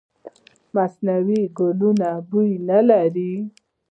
مصنوعي ګلونه بوی نه لري.